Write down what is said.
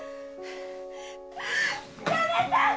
やめて！